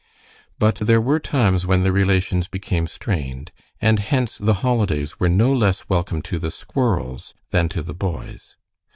But there were times when the relations became strained, and hence the holidays were no less welcome to the squirrels than to the boys.